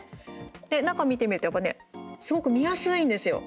で、中、見てみるとやっぱりすごく見やすいんですよ。